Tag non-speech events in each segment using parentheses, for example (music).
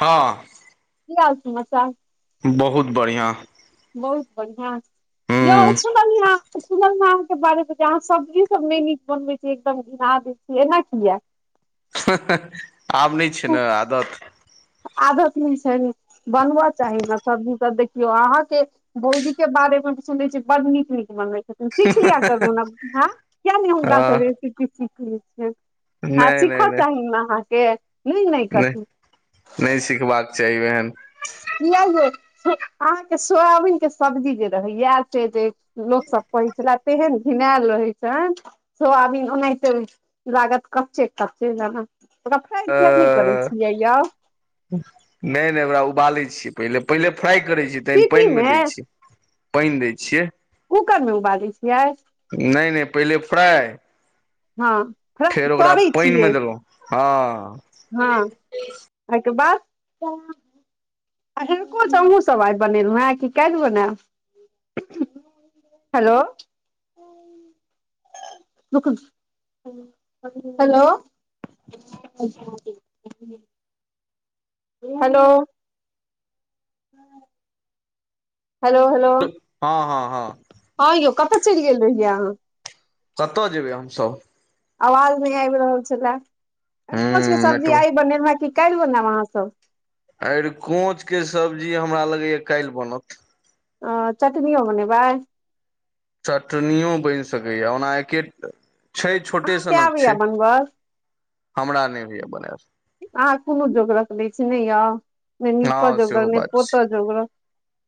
हँ की हाल समाचार बहुत बढ़िआँ बहुत बढ़िआँ यौ हूँ सु सुनेलिए अहाँ के बारे मैहीं सब्जी सब नीक बने छी एकदम एना की या आब नहि छै ने आदत आदत नहि छै ने बनबा चाही ने सबजी सब देखियौ अहाँके भौजी के बारे सुनै छिय बड नीक नीक बनबै सीख लिय करु ने ह किया ने हुनका हँ सब रेसिपी सीख लै छिय आ नहि नहि सिखऽ नहि चाही अहाँके नहि नहि कथी नहि सिखबाक चाही एहन (inaudible) किया यौ अहाँके सोयाबीन के सब्जी जे रहै इएह से जे लोक सब पै छला तेहन घिनायल रहै छनि सोयाबिन ओनाहिते लागत कच्चे कच्चे जेनाा ओकरा फ्राइ नहि करै अ छियै यौ नहि नहि ओकरा उबालै छियै पहि पहिले फ्राइ करै छियै तह सीटी पानिमे मे दै छियै पानि दै छियै कूकर मे उबालै छियै नहि नहि पहिले फ्राय हँ तड़ै छियै पानिमे देलहुँ हँ हँ एके बाद आ होूँसभ आइ बनेलहुँ हेँ की कल ने hello hello (inaudible) hello hello hello हँ हँ हँ हँ यौ कतऽ चलि गेल रहियै अहाँ कतय जेयबै हमसभ आवाज नहि आबि रहल छलए अरेकोच के हूँ सब्जी नेटव आइ बनेल क कालहि बनेब अहा सब अरे कोचके सब्जी हमरा लगैए काल्हि बनत आ चटनी यो बने बय चटनिओ बनि सकैए ओना एके छै छोटे अहाँके सनक आबैया छै बनबल हमरा नहि होइया बनायल अहाँ कोनो जोगरक नहि छी ने यो नहि नीप हँ जोगरक सेहो नहि बात छै पोतऽ जोगरक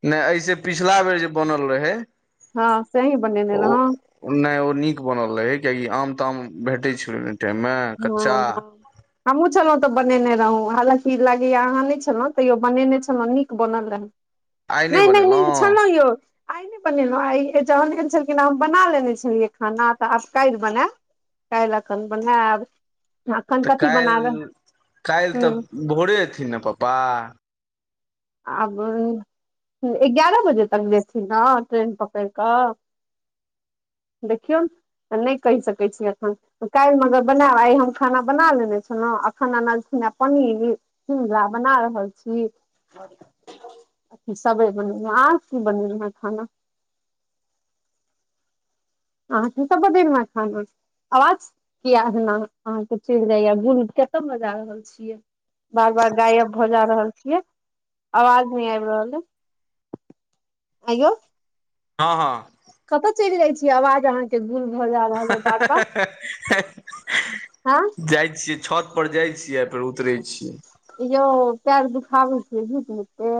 नहि एहिसे पिछिला बेर जे बनल रहै हँ से अहीं बनेने ओ रहौं नहि ओ नीक बनल रहैे कियाकि आम ताम भेटै छल हँ ह हमू छलउ तऽ बनेने रहौ हालकि ई लागैया अहाँ नहि छलहुँ तैयो बनेने छलहुँ नीक बनल रहौ आइ नहि नहि बनेलहुँ नहि छलौ यौ आइ नहि बनेलहुँ आइ च लखन छलखिन हम बना लेने छलियै खाना तऽ आब कालहि बनैब काइल अखन बनैब तऽ काल्हि काल्हि हुँ तऽ भोरे एथिन ने पप्पा आब एगारह बजे तक ऐथिन न ट्रेन पकड़ कऽ देखियौ नहि कहि सकैत छी एखन काल्हि मगर बनाब आइ हम खाना बना लेने छलहुँं अखन अल्खिन पनीर झिरा बना रहल छी सबे बनेल आर की बनेल है खाना (inaudible) आहा की सब बनैलो है खाना आवाज कियाना अहाँके चलि जाइय गुल केतय भ जा रहल छियै बार बार गायब भऽ जा रहल छियै आवाज नहि आबि रहल ए अयो हँ हँ कतय चलि जाय छियै आवाज अहाँके गुम हाँ हाँ हाँ हाँ हाँ हँ हाँ जाइ छियै छत पर जाइ छियै फेर उतरै छियै इ यौ पैर दुखाबै छै झूठ मूठ के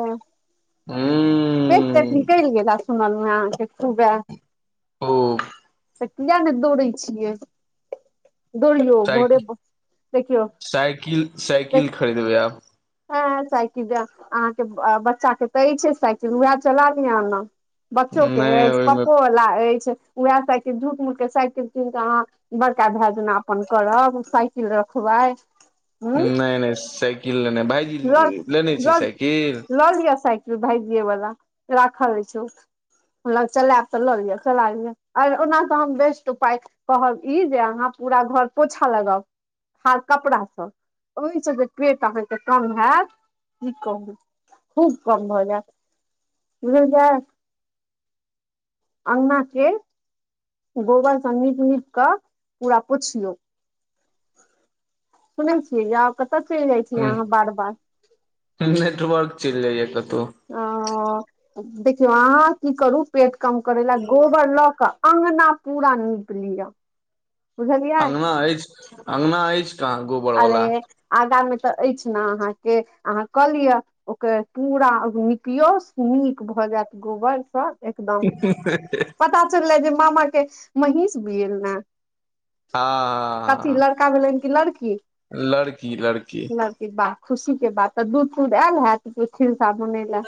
पेट टेट हूँ निकली गेल हन सुनलहु आहाके पुजा ओ तऽ किए ने दौड़ै छियै दौड़ियौ साइकिल भोरे देखियौ साइकिल साइकिल देख खरीदबै आब हँ साइकिल अहाँके बच्चाे तऽ ई छै साइकिल उएह चला दिहना बच्चो के नहि अछि ओहिमे पपो वाला अछि उएह साइकिल झूठ मूठ के साइकिल कीन के अहाँ बड़का भए जेना अपन करब साइकिल रखू वाय नहि नहि साइकिल लेनाइ भाायजी लऽ लेने छै साइकिल भाय जीये बला राखल अछि ओ हम ल चलायब तऽ लऽ लिअ चला लिय आर ओना तऽ हम बेस्ट उपाय कहब ई जे अहाँ पूरा घर पोछा लगउ हर कपड़ा स ओहि सँ जे पेट अहाँके कम हेइत कि कहूँ खूब कम भऽ जाइत बुझल जात अगना के गोबर स निक निक क पूरा पुछिलो सुन छी याउ कत कथि ल जाइ छिय ह अहाँ बार बार चिली जाय यै कतैअ ओ देखियौ अहाँ की करू पेट कम करै ला गोबर लऽ क अंगना पूरा नीप लिअ बुझलियै अगना अछि अंगना अछि कहाँ गोबर वला त अछि न आहाँके आहाँ क लिए ओकर पुरा निपयोस निक भ जाइत भ जाइत गोबर सॅ एकदम पता चललैय जे मामाके मेहिस बिऐल न हँ हँ ह भेलनि कि लड़की लड़की लड़की लड़की वाह खुशी के बात तऽ दूध तूध आयल हैत बनै लए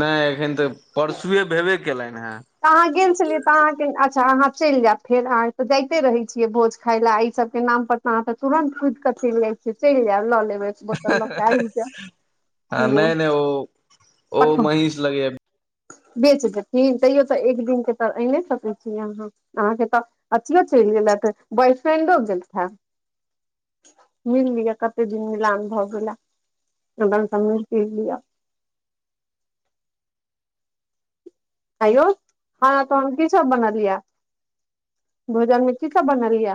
नहि एखन तऽ परसुए भेबे केलनि हेँ अहाँ गेल छलियै तऽ अहाँके त अहाँ चैल जायब फेर अहाँ तऽ जाइत रहैत छियै भोज खाय लए एहि सबके नाम पर तऽ अहाँ तुरन कुदिक चलि जाइ छि चलि जायब ल लेबै एक बोतल लकेऽ आइब जाउ हँ नहि नहि ओ ओ पठा महींस लगे बेच देथिन तैयो तऽ एक दिन के त आने सकै छीय अहाँ अहाँ के तऽ अथियो चलि गेल बरसो ओम्हरो गेल हन मिल लिअ कतेक दिन मिलला भ गेल पी लिअ हयौ हँ त हम की सब बनबियै भोजनमे की सब बनेलियै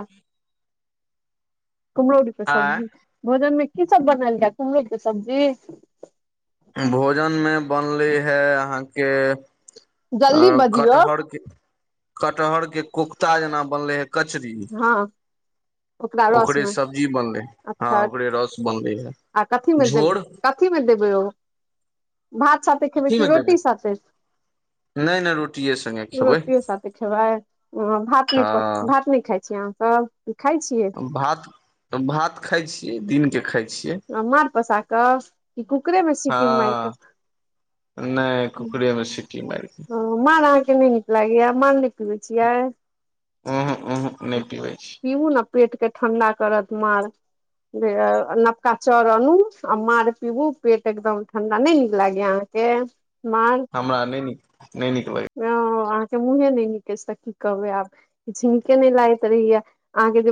कुम्हरौरी के आय सब्जी भोजन मे की सब बनाल जाय कुम्हरौरी के सब्जी भोजनमे बनलै है अहाँके अ जल्दी बजियौ कटहर के कटहर के कोख्ता जेना बनले हे क हँ ओकरा रस ओकरे मे सब्जी बनले हँ अच्छा ओकरे रस बनल है आ कथी देबय कथी देबय भात साथे खेबै कथी के मे देबै रोटी साथे नहि नहि रोटिए सङ्गे खेबै रोटी साठे खेबइ भात नहि प हँ भात न खाय छी अहाँ हँ भात भात खाइ छियै दिनके खाय अ मार पसा कऽ कि कुकरे मे सिटी मार कऽ नै कुकुरे मे सिटी मार ओ मांर आहाँके नहि निक लागय या मांर न न छियै उहु उहु नहि पीबै छी पिउ ने पेट के ठण्डा करत मार नवका चाउर अनू आ मार पीबू पेट एकदम ठं्डा नहि नीक लागेया अहाँके (unintelligible) हमरा नैय नीक नैय नीक लगै ह अहाँ के मुंहे नहि निक तऽ की कहबे आब कि झ नीके नहि लागैत रहहिया अहाँके जे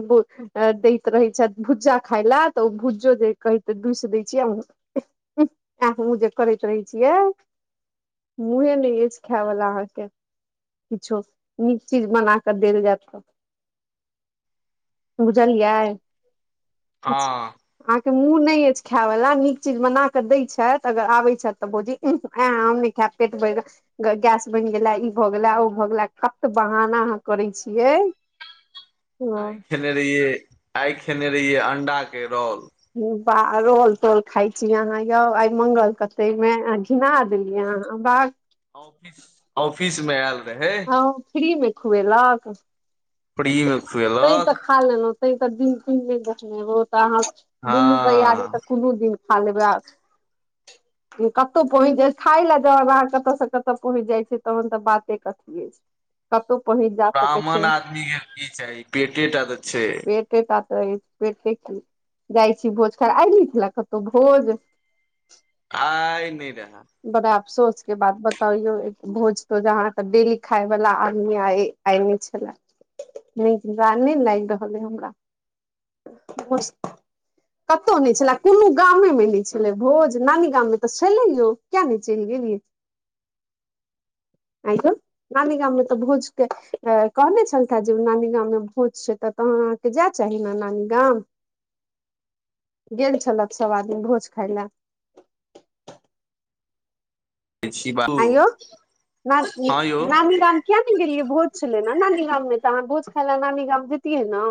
अ दैत रहैत छथि भुज्जा खाय लए तऽ ओ भुज्जो जे कहैते दुूस दै छियै आ जे करैत रहै छी ए मुह ने य खायवला अहाँके किछो नीक चीज बना कऽ देल जायत तऽ भुझलिय हँ के मुंह नै अछि खाय वला नीक चीज बना के दैय छै अगर आबे छथि तऽ भौजी इह एह हम नहि खाय पेट बैइर गैस बनि गेला ई भए गेला ओ भऽ गेला खब त बहाना अहाँ करै छियै (inaudible) आइ खेने रहिये आइ खेने रहियै अंडा के रोल बा रोल तोल खाय छीय अहाँ यौ आइ मंगल क्ते मे घिना देलियै ह बाह ऑफिस ऑफिस मे आयल रहै ह ओ फ्री मे खुएलक फ्री मे तै खुएलक तऽ खा लेलै तेय त दिन तिन नइ देखने होब त अहाँ हँ दुनू भयारी तऽ कोनो दिन खालेबै आओर कतहु पहुँच जाइ छै खाय लए ज बाहर कतय से कतऽ पहुँच जाइ छै तहन तऽ बाते कथि कतहु ब्राह्मण छियै आदमीके की चाही पेटे टा तऽ छै तइ पेटे की जाइ छी भोज खर आइ खेलह कतहु भोज आइ नइ रेहा बड़ा अफसोस के बात बताउ यो भोज तो अहाँके डेली खाय वला आदमी आ आइ नइ छला नइ नइ लागि रहल हइ हमरा कतहु नइ छलै कोनो गामेमे नै छलै भोज नानी गाममे तऽ छलै यौ किया नय चइल गेल ली आइ यो नानी गाम मे तऽ भोज के कहने छलथे जे नानी गाम मे भोज छै त तह अहाँके जाय चाहि नानी गाम गेल छलत सभ आदमी भोज खाय ल छी बाबू आ यौ न हँ यौ नानी गाम किया ने गेलियै भोज छलै न न नानी गाममे तऽ अहाँ भोज खाय ल नानी गाम जैतियै न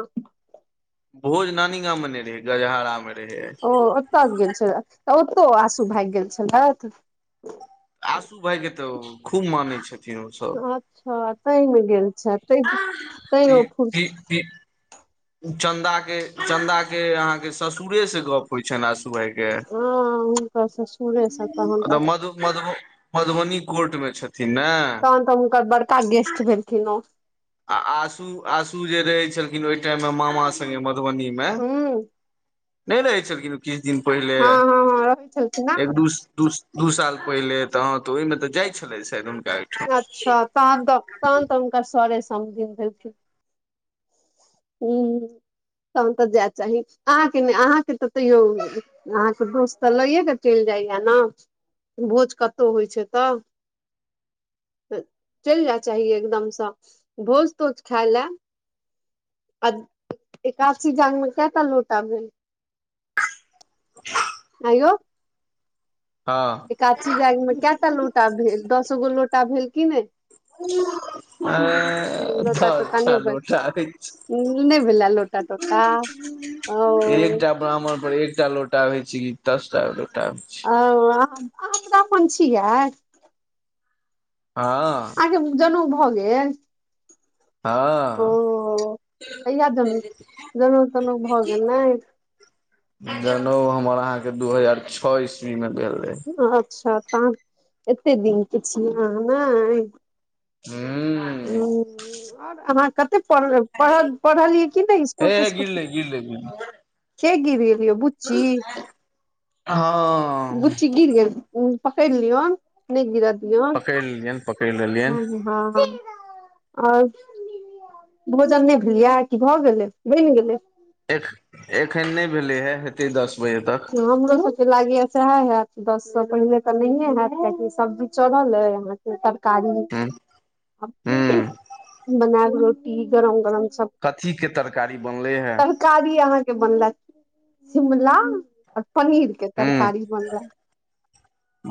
भोज नानी गाँम मे नै रहे गजहरा म रहै ओ ओतय गेल छलए तऽ ओतहु आसू भागि गेल छलथि आशू भाय के तऽ खूब मानै छै अच्छा तहिमे गेल छ त ई तहिओ फ्यू ई चन्दा के चन्दा के अहाँके ससुरे से गप होइत छनि असू भाई के हँ हुनकर ससुरेसँ तहन तऽ मधु मधु मधुबनी कोर्ट मे छथि तन तऽ हुनक बड़का गेस्ट भेलखिन ओ आ आशू आशू जे रहै छलखिन ओहि टाइममे मामा संगे मधुबनीमे हूँ नै रहै छलखिन किछु दिन पहिले हँ हँ हँ रहै छलखिन एक दू दू साल पहिले तऽ हँ तऽ ओहिमे तऽ जाइ छलै सेद अच्छा तहन त तनह त हुनकर सरे समधिन भेलखिन हू तहन तऽ जाय चाही अहाँ के अहाँ के त तैयो अहाँके दोस्त तऽ लैए क चइल जे जाइ य न भोज कतहु होइ छै तऽ तऽ चैल जाय चाही एकदमसँ भोज तोज खाइ लए आ एकादशी जंग मे केता लोटा भेल (unintelligible) आइ यो हँ एकाछी जागमे केय टा लोटा भेल दसो गो लोटा भेल की नइ ऐ दस टा लोटा होइ छै ई नइ भेल लोटा टोटा ओ एकटा ब्राह्मण पर एकटा लोटा रहइ छै की दसटा ओ हम तऽ अपन छियै हँ होे गेल हँ तहिया जन जनउ तनउ भऽ गेलैन जनउ हमर अहाँके दू हजार छ ईस्वी मे भेल रहे अच्छा तऽ एते दिन के छिये अहा नैय हूं ह ओर अहाँ प पढ़ पढ पढ़लिय की नै स्कूल हे हे तेस्कुल गिरले गिरले गिरले के गिरी ओ बुज्ची हँ गुच्ची गिर गेल पकैर लियौ नहि गिरत यो पकड़ि लेलियनि पकड़ि लेलियनि ह हँ ओर भोजन नहि भेलियै कि भऽ गेलै बैन गेलै एख एखन नहि भेलै हे हेतै दस बजे तक त दस सए पहिले तऽ नहिे हयत कियकि सब्जी चलल अहाँके तरकारी हूं हूं बना क रोटी गरम गरम सब कथी के तरकारी बनले हे तरकारी अहाँके बनल शिमला और पनीर के हूं तरकारी बनल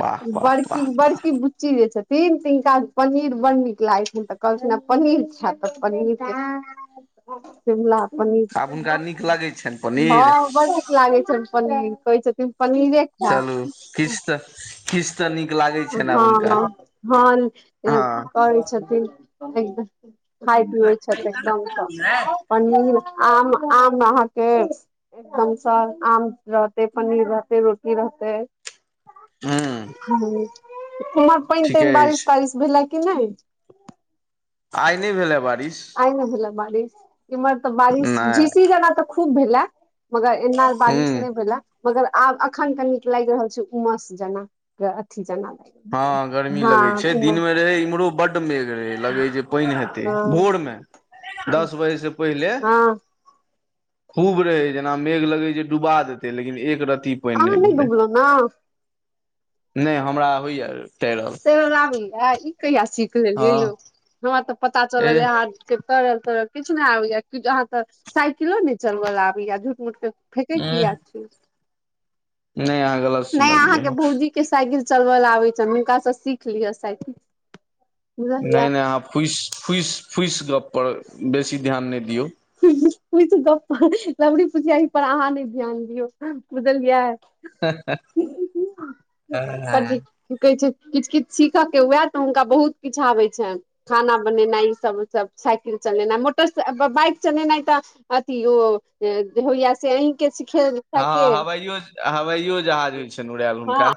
वाह वाह वाह बड़की बड़की बुच्ची जे छथि तीन तिनका पनीर बड़ नीक लागैत छै तऽ कहलखन पनीर खैब तऽ पनीर शिमला वाह आब पनीर हुनका नीक लागै छनि पनीर भाव बड़ निक लागे छै पनीर कहै छथि चलू किस त किस त निक हँ हँ ह हँ करै छथिन एकदम खाय पीए छथि एकदम पनीर आम आम अहाँके एकदम सँ आम रहते पनीर रहते रोटी रहतै (inaudible) हूंअ् ह उमहर पानि तानि बारिश अछि तारिश भेलै कि नई आइ नहि भेला बारिश आइ नई भेले ह बारिश इम्हर तऽ बारिश नहि झीसी जेनाा तऽ खूब भेला मगर ऐना बारिस हूँ नई भेला मगर आब अखन के नीक लागि रहल छैइ उमस जेना के अथी जेना लागि रहल छै हंअ् गर्मी लगैइ हँ छैइ उमस दिनमें रहै इम्हरो बड्ड मेघ रहै लगैइ जे पानि हेतै हँ भोर में दस बजे से पहिले हँ खूब रहैइ जेना मेघ लगैइ जे डुबा देतै लेकिन एक रत आहां नई डूबलौं न नई हमरा होइए तैर आबैया ई कहिया सीख हँ लेलियै यौ हमरा तऽ पता चलल एह जे अहाँ के तैरल तैरल किछु नई आबैय कि अहाँ तऽ सा किलो नहि चलबैई लेल आबैइय झूठ मूठ के फेेंके किया उंह छी नहि अहाँ गलत नई सुनलियै अहाँके हे भौजी के साइकिल चलब लेल आबैइ छनि हुनकाँ से सीख लिय साइकिल बुझलियै नई नई अहाँ फुसि फुसि फुसि गप्पपर बेसी ध्यान नई दियौ ईत गप्प लबड़ी फुसआही पर अहाँ नई ध्यान दियौ बुझलियै दियौ कदी कि कहै छैइ किछ किछ सीखय के हुए तऽ हुनका बहुत किछ आबैइ छनि खाना बनेनाइ ईसभ उसब साइकिल चलेनाइ मोटर बाइक चलेनाइ तऽ अथी ओ होइया से अहीं के हां सिखेलकै हवाइओ हवाइओ जहाज होइ छनि उड़ायल हँ हुनका